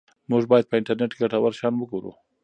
موږ باید په انټرنیټ کې ګټور شیان وګورو.